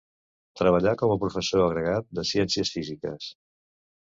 Treballà com a professor agregat de ciències físiques.